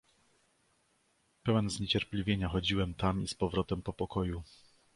"Pełen zniecierpliwienia chodziłem tam i z powrotem po pokoju."